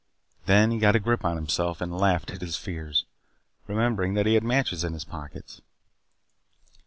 Then he got a grip on himself and laughed at his fears remembering that he had matches in his pockets.